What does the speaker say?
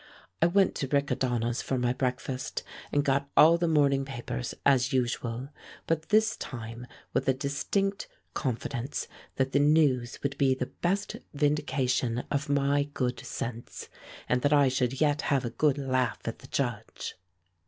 I went to Riccadonnas' for my breakfast and got all the morning papers, as usual, but this time with a distinct confidence that the news would be the best vindication of my good sense, and that I should yet have a good laugh at the Judge.